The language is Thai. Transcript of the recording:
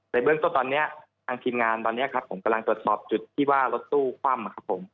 เบื้องต้นตอนนี้ทางทีมงานตอนนี้ครับผมกำลังตรวจสอบจุดที่ว่ารถตู้คว่ำครับผม